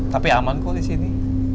tapi aman kok disini